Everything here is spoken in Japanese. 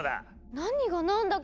何が何だか。